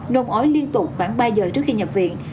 nôn ói liên tục khoảng ba giờ trước khi nhập viện